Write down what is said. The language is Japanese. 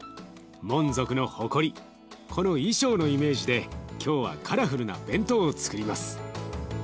モン族の誇りこの衣装のイメージで今日はカラフルな弁当をつくります。